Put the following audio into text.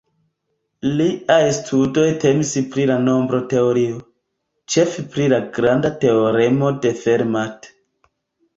Liaj studoj temis pri la nombroteorio, ĉefe pri la granda teoremo de Fermat.